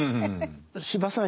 司馬さん